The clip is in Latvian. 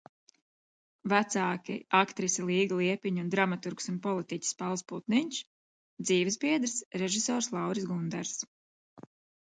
Vecāki aktrise Līga Liepiņa un dramaturgs un politiķis Pauls Putniņš, dzīvesbiedrs režisors Lauris Gundars.